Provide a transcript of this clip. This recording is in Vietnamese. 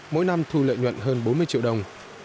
mỗi năm thu lợi nhuận hơn bốn mươi triệu đồng